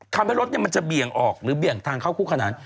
ทำให้รถกั้นจะเบียงออกหรือเบียงทางเข้าหมาก